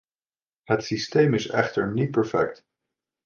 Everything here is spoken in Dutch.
Het systeem is echter niet perfect.